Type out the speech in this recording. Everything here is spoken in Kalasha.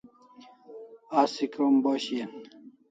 Asi krom bo shian